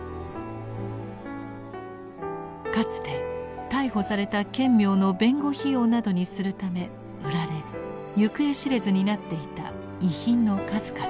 かつて逮捕された顕明の弁護費用などにするため売られ行方知れずになっていた遺品の数々。